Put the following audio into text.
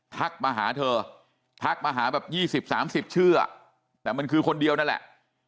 มาหาเธอทักมาหาแบบ๒๐๓๐ชื่อแต่มันคือคนเดียวนั่นแหละ